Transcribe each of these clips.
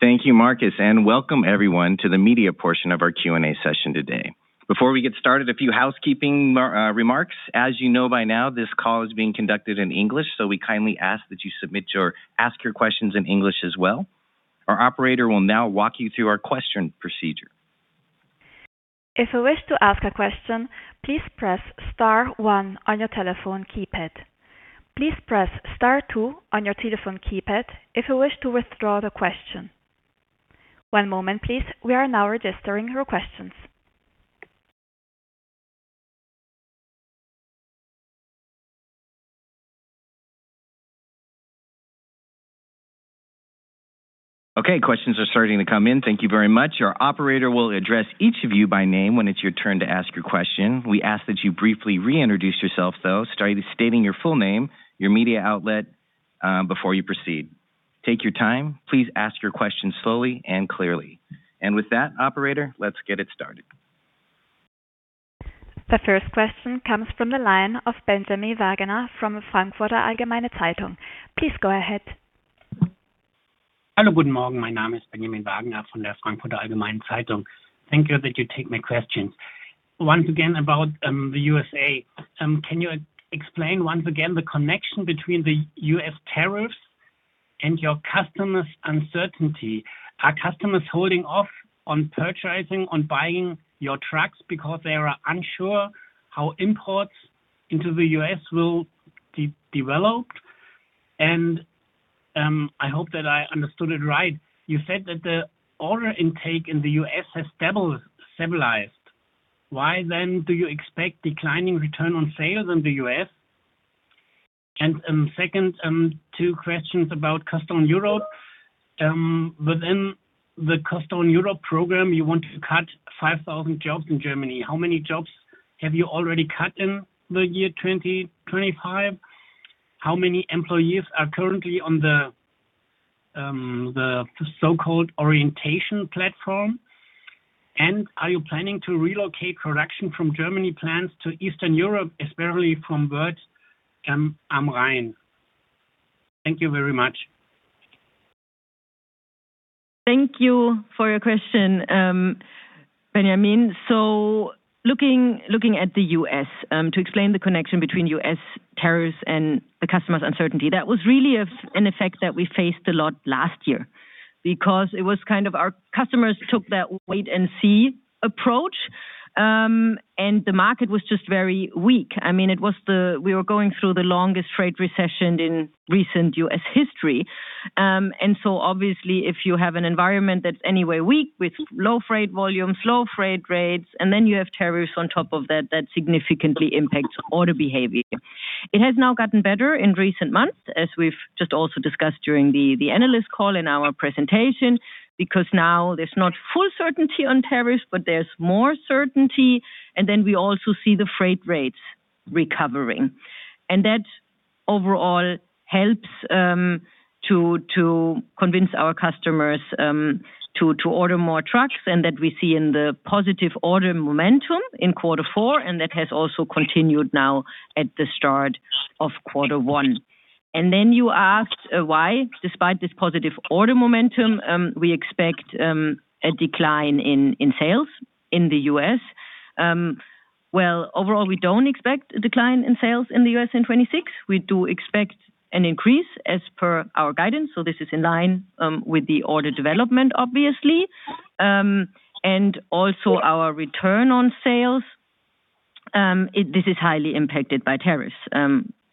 Thank you, Martin, and welcome everyone to the media portion of our Q&A session today. Before we get started, a few housekeeping remarks. As you know by now, this call is being conducted in English, so we kindly ask that you ask your questions in English as well. Our operator will now walk you through our question procedure. If you wish to ask a question, please press star one on your telephone keypad. Please press star two on your telephone keypad if you wish to withdraw the question. One moment please, we are now registering your questions. Okay, questions are starting to come in. Thank you very much. Our operator will address each of you by name when it's your turn to ask your question. We ask that you briefly re-introduce yourself though, starting with stating your full name, your media outlet, before you proceed. Take your time. Please ask your question slowly and clearly. With that, operator, let's get it started. The first question comes from the line of Benjamin Wagner from Frankfurter Allgemeine Zeitung. Please go ahead. Hello, Guten Morgen. My name is Benjamin Wagner from the Frankfurter Allgemeine Zeitung. Thank you that you take my questions. Once again, about the U.S. Can you explain once again the connection between the U.S. tariffs and your customers' uncertainty? Are customers holding off on purchasing, on buying your trucks because they are unsure how imports into the U.S. will develop? I hope that I understood it right. You said that the order intake in the U.S. has stabilized. Why then do you expect declining return on sales in the U.S.? Second, two questions about Cost Down Europe. Within the Cost Down Europe program, you want to cut 5,000 jobs in Germany. How many jobs have you already cut in the year 2025? How many employees are currently on the so-called orientation platform? Are you planning to relocate production from German plants to Eastern Europe, especially from Wörth am Rhein? Thank you very much. Thank you for your question, Benjamin. Looking at the U.S., to explain the connection between U.S. tariffs and the customers' uncertainty, that was really of an effect that we faced a lot last year because it was kind of our customers took that wait and see approach, and the market was just very weak. I mean, we were going through the longest trade recession in recent U.S. history. Obviously, if you have an environment that's anyway weak with low freight volumes, low freight rates, and then you have tariffs on top of that significantly impacts order behavior. It has now gotten better in recent months, as we've just also discussed during the analyst call in our presentation, because now there's not full certainty on tariffs, but there's more certainty, and then we also see the freight rates recovering. That overall helps to convince our customers to order more trucks, and that we see in the positive order momentum in quarter four, and that has also continued now at the start of quarter one. Then you asked why, despite this positive order momentum, we expect a decline in sales in the U.S. Well, overall, we don't expect a decline in sales in the U.S. in 2026. We do expect an increase as per our guidance. This is in line with the order development, obviously. Our return on sales, this is highly impacted by tariffs.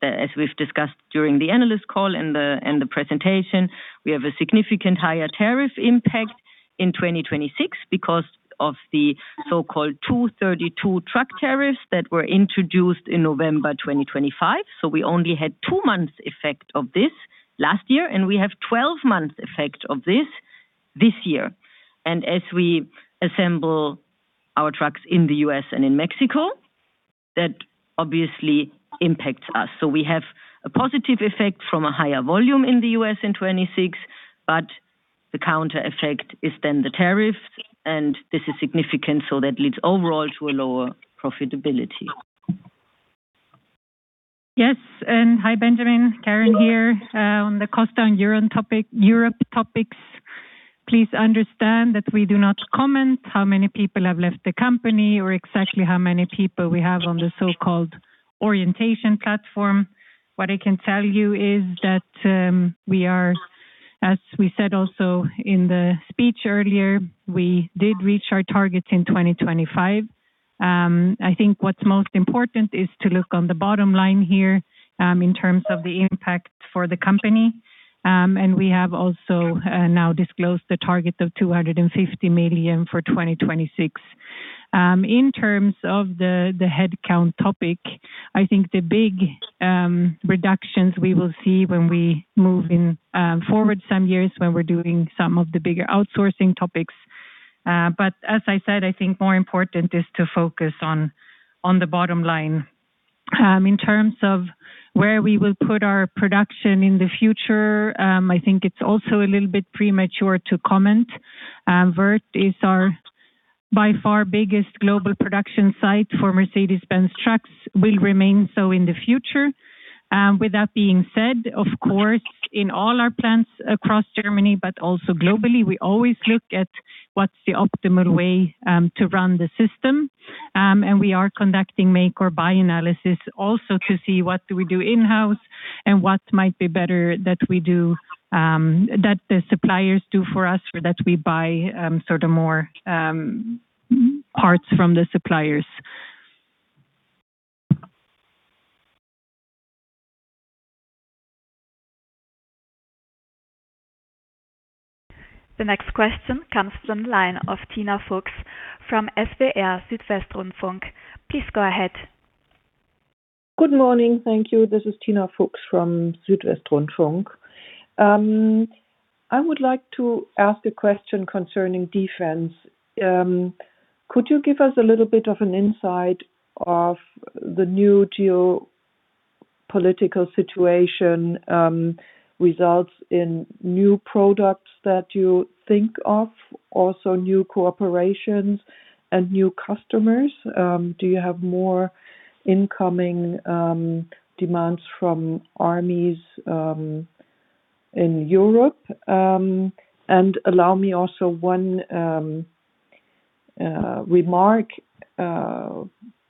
As we've discussed during the analyst call and the presentation, we have a significant higher tariff impact in 2026 because of the so-called Section 232 truck tariffs that were introduced in November 2025. We only had two months effect of this last year, and we have 12 months effect of this year. We assemble our trucks in the U.S. and in Mexico, that obviously impacts us. We have a positive effect from a higher volume in the U.S. in 2026, but the counter effect is then the tariff, and this is significant, that leads overall to a lower profitability. Yes, hi, Benjamin. Karin here. On the Cost Down Europe topics, please understand that we do not comment how many people have left the company or exactly how many people we have on the so-called orientation platform. What I can tell you is that, we are, as we said also in the speech earlier, we did reach our targets in 2025. I think what's most important is to look at the bottom line here, in terms of the impact for the company. We have also now disclosed the target of 250 million for 2026. In terms of the headcount topic, I think the big reductions we will see when we move forward some years when we're doing some of the bigger outsourcing topics. As I said, I think more important is to focus on the bottom line. In terms of where we will put our production in the future, I think it's also a little bit premature to comment. Wörth is our by far biggest global production site for Mercedes-Benz Trucks and will remain so in the future. With that being said, of course, in all our plants across Germany, but also globally, we always look at what's the optimal way to run the system. We are conducting make or buy analysis also to see what do we do in-house and what might be better that we do that the suppliers do for us or that we buy sort of more parts from the suppliers. The next question comes from the line of Tina Fuchs from SWR, Südwestrundfunk. Please go ahead. Good morning. Thank you. This is Tina Fuchs from Südwestrundfunk. I would like to ask a question concerning defense. Could you give us a little bit of an insight of the new geopolitical situation results in new products that you think of, also new cooperations and new customers? Do you have more incoming demands from armies in Europe? And allow me also one remark.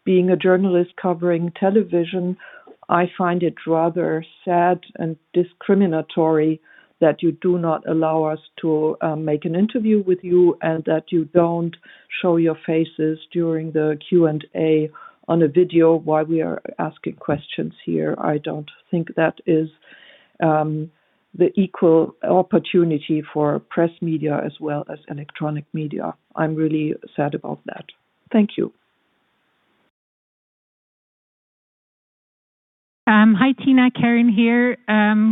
Being a journalist covering television, I find it rather sad and discriminatory that you do not allow us to make an interview with you and that you don't show your faces during the Q&A on a video while we are asking questions here. I don't think that is the equal opportunity for press media as well as electronic media. I'm really sad about that. Thank you. Hi, Tina. Karin here.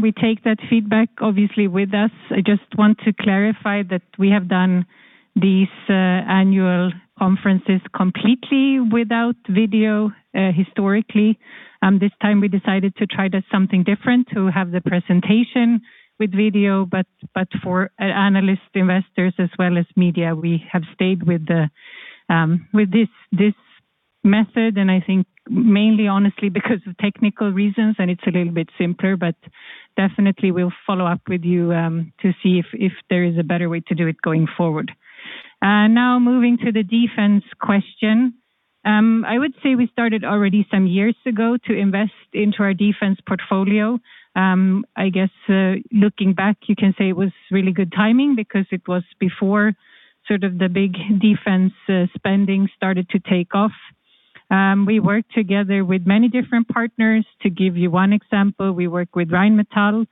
We take that feedback obviously with us. I just want to clarify that we have done these annual conferences completely without video historically. This time we decided to try something different, to have the presentation with video. For analysts, investors as well as media, we have stayed with this method, and I think mainly honestly because of technical reasons, and it's a little bit simpler, but definitely we'll follow up with you to see if there is a better way to do it going forward. Now moving to the defense question. I would say we started already some years ago to invest into our defense portfolio. I guess, looking back, you can say it was really good timing because it was before sort of the big defense spending started to take off. We work together with many different partners. To give you one example, we work with Rheinmetall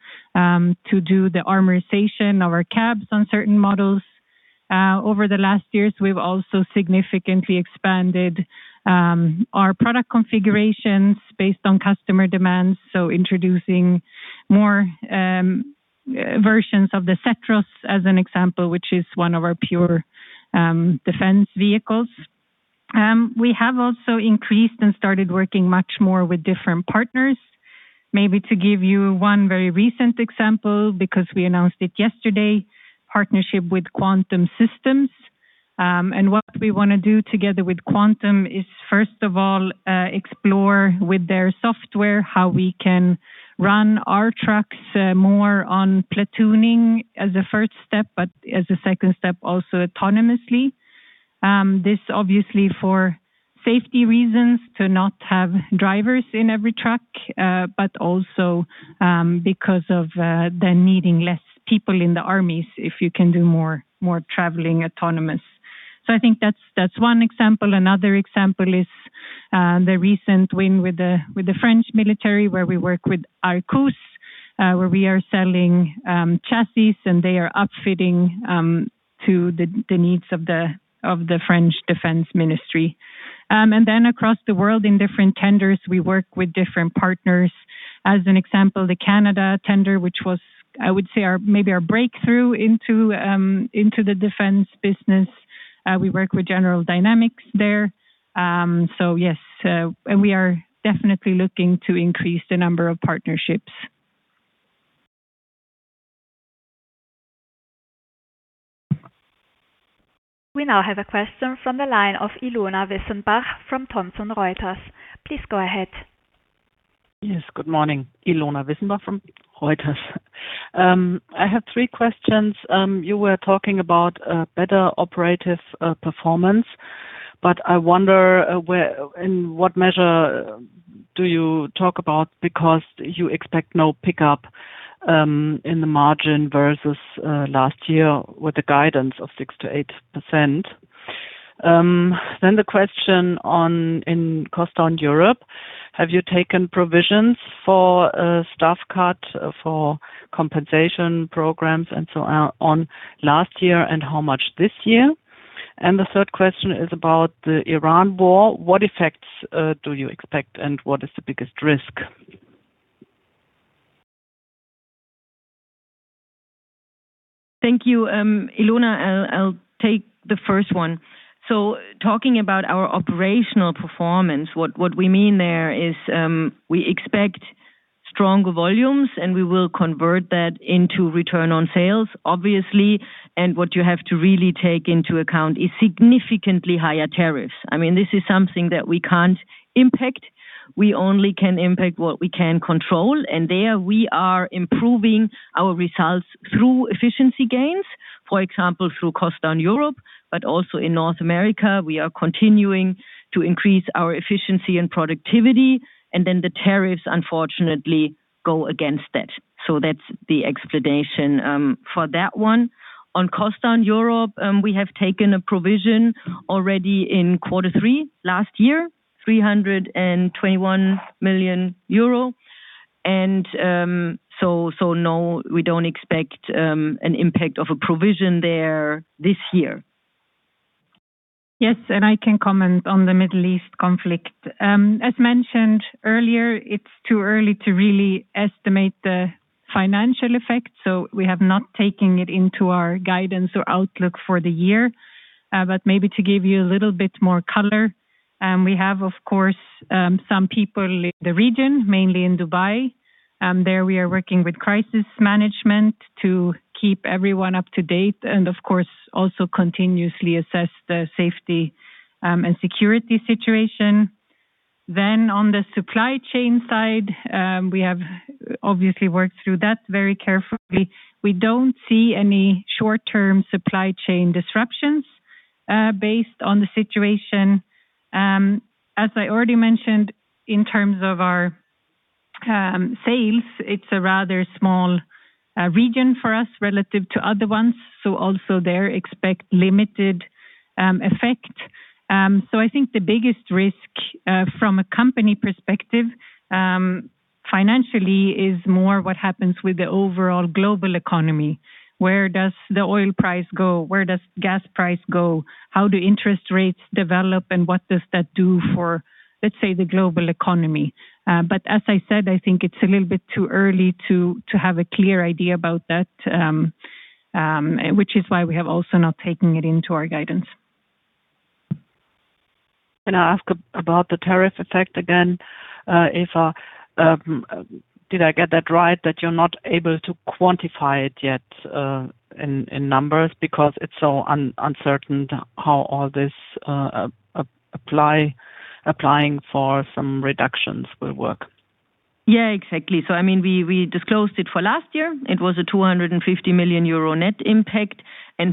to do the armorization of our cabs on certain models. Over the last years, we've also significantly expanded our product configurations based on customer demands, so introducing more versions of the Zetros, as an example, which is one of our pure defense vehicles. We have also increased and started working much more with different partners. Maybe to give you one very recent example, because we announced it yesterday, partnership with Quantum Systems. What we want to do together with Quantum is, first of all, explore with their software how we can run our trucks more on platooning as a first step, but as a second step, also autonomously. This obviously for safety reasons, to not have drivers in every truck, but also because of then needing less people in the armies if you can do more traveling autonomous. I think that's one example. Another example is the recent win with the French military, where we work with Arquus, where we are selling chassis, and they are upfitting to the needs of the French Ministry of the Armed Forces. Across the world in different tenders, we work with different partners. As an example, the Canada tender, which was, I would say, our, maybe our breakthrough into the defense business. Yes, we are definitely looking to increase the number of partnerships. We now have a question from the line of Ilona Wissenbach from Thomson Reuters. Please go ahead. Yes, good morning. Ilona Wissenbach from Reuters. I have three questions. You were talking about a better operating performance, but I wonder where in what measure do you talk about because you expect no pickup in the margin versus last year with the guidance of 6%-8%. Then the question on in Cost Down Europe, have you taken provisions for a staff cut for compensation programs and so on on last year, and how much this year? The third question is about the Iran war. What effects do you expect, and what is the biggest risk? Thank you, Ilona. I'll take the first one. Talking about our operational performance, what we mean there is, we expect strong volumes, and we will convert that into return on sales, obviously. What you have to really take into account is significantly higher tariffs. I mean, this is something that we can't impact. We only can impact what we can control, and there we are improving our results through efficiency gains, for example, through Cost Down Europe, but also in North America, we are continuing to increase our efficiency and productivity, and then the tariffs, unfortunately, go against that. That's the explanation for that one. On Cost Down Europe, we have taken a provision already in quarter three last year, 321 million euro. No, we don't expect an impact of a provision there this year. Yes, I can comment on the Middle East conflict. As mentioned earlier, it's too early to really estimate the financial effect, so we have not taken it into our guidance or outlook for the year. Maybe to give you a little bit more color, we have, of course, some people in the region, mainly in Dubai. There we are working with crisis management to keep everyone up to date and of course, also continuously assess the safety and security situation. On the supply chain side, we have obviously worked through that very carefully. We don't see any short-term supply chain disruptions based on the situation. As I already mentioned, in terms of our sales, it's a rather small region for us relative to other ones. Also there expect limited effect. I think the biggest risk, from a company perspective, financially is more what happens with the overall global economy. Where does the oil price go? Where does gas price go? How do interest rates develop, and what does that do for, let's say, the global economy? As I said, I think it's a little bit too early to have a clear idea about that, which is why we have also not taken it into our guidance. Can I ask about the tariff effect again, if did I get that right that you're not able to quantify it yet in numbers because it's so uncertain how all this applying for some reductions will work? Yeah, exactly. I mean, we disclosed it for last year. It was 250 million euro net impact.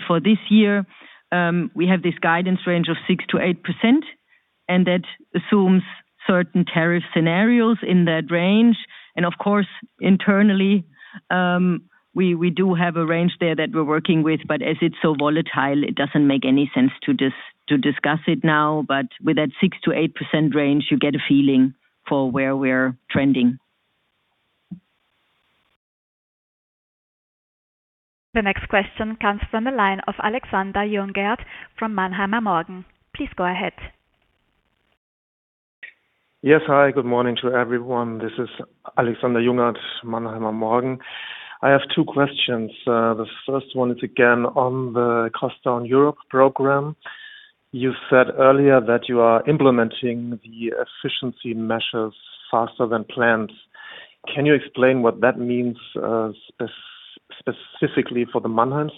For this year, we have this guidance range of 6%-8%, and that assumes certain tariff scenarios in that range. Of course, internally, we do have a range there that we're working with, but as it's so volatile, it doesn't make any sense to discuss it now. With that 6%-8% range, you get a feeling for where we're trending. The next question comes from the line of Alexander Jungert from Mannheimer Morgen. Please go ahead. Yes. Hi, good morning to everyone. This is Alexander Jungert, Mannheimer Morgen. I have two questions. The first one is again on the Cost Down Europe program. You said earlier that you are implementing the efficiency measures faster than planned. Can you explain what that means, specifically for the Mannheim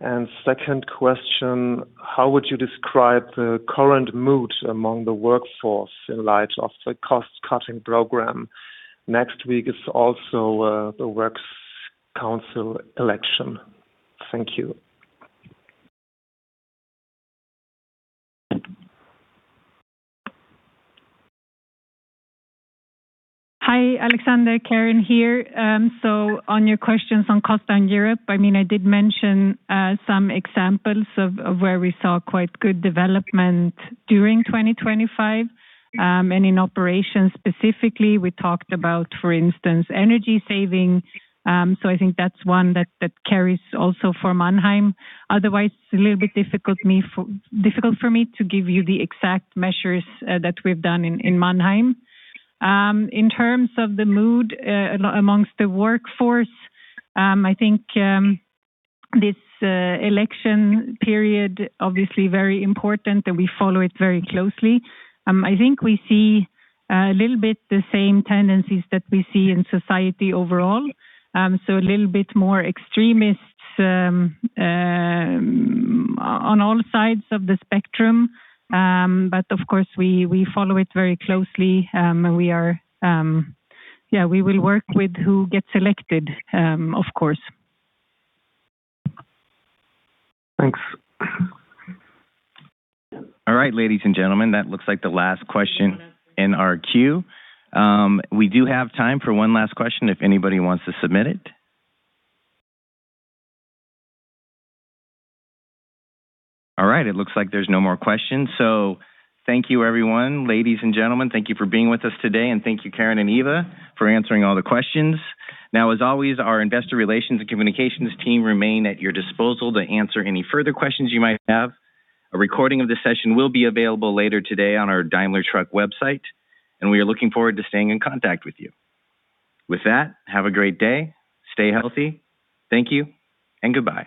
site? Second question, how would you describe the current mood among the workforce in light of the cost-cutting program? Next week is also the works council election. Thank you. Hi, Alexander. Karin here. On your questions on Cost Down Europe, I mean, I did mention some examples of where we saw quite good development during 2025, and in operations specifically, we talked about, for instance, energy saving. I think that's one that carries also for Mannheim. Otherwise, it's a little bit difficult for me to give you the exact measures that we've done in Mannheim. In terms of the mood amongst the workforce, I think this election period, obviously very important, and we follow it very closely. I think we see a little bit the same tendencies that we see in society overall. A little bit more extremists on all sides of the spectrum. Of course, we follow it very closely. We will work with who gets elected, of course. Thanks. All right, ladies and gentlemen, that looks like the last question in our queue. We do have time for one last question if anybody wants to submit it. All right, it looks like there's no more questions. Thank you everyone. Ladies and gentlemen, thank you for being with us today, and thank you, Karin and Eva, for answering all the questions. Now, as always, our investor relations and communications team remain at your disposal to answer any further questions you might have. A recording of this session will be available later today on our Daimler Truck website, and we are looking forward to staying in contact with you. With that, have a great day. Stay healthy. Thank you and goodbye.